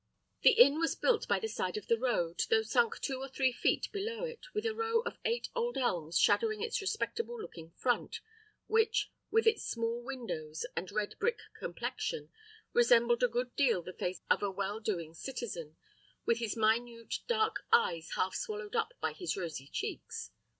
The inn was built by the side of the road, though sunk two or three feet below it, with a row of eight old elms shadowing its respectable looking front, which, with its small windows and red brick complexion, resembled a good deal the face of a well doing citizen, with his minute dark eyes half swallowed up by his rosy cheeks.